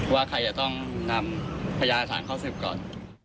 ว่าใครจะต้องนำพญาอาจารย์เข้าเสียบก่อน